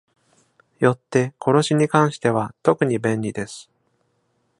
よって、殺しに関しては、特に便利です。